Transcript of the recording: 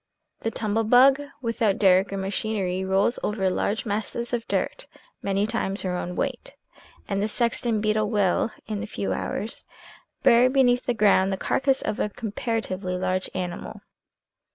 The tumble bug, without derrick or machinery, rolls over large masses of dirt many times her own weight, and the sexton beetle will, in a few hours, bury beneath the ground the carcass of a comparatively large animal.